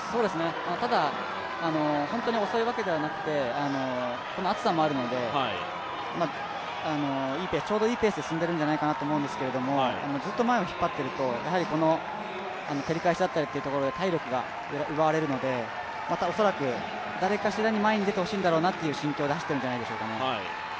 ただ、遅いわけではなくて暑さもあるのでちょうどいいペースで進んでいるんじゃないかなと思うんですけれども、ずっと前を引っ張っていると、照り返しだったりというところで体力が奪われるので、また恐らく、誰かしらに前に出てほしいんだろうなという心境で走ってるんじゃないでしょうか。